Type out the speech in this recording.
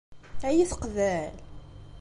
Ad iyi-teqbel?